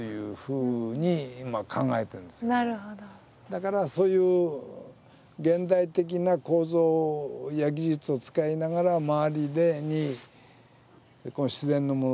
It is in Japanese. だからそういう現代的な構造や技術を使いながら周りに自然のものでやるっていうのはね。